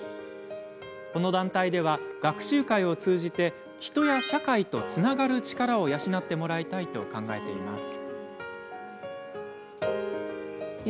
この団体では学習会を通じて人や社会とつながる力を養ってもらいたいと考えています。